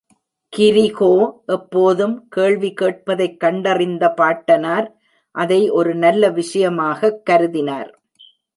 கிரிகோ எப்போதும் கேள்வி கேட்பதைக் கண்டறிந்த பாட்டனார்; அதை ஒரு நல்ல விஷயமாகக் கருதினார்.